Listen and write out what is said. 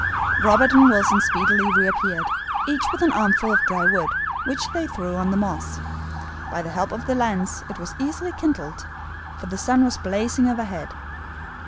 Robert and Wilson speedily reappeared, each with an armful of dry wood, which they threw on the moss. By the help of the lens it was easily kindled, for the sun was blazing overhead.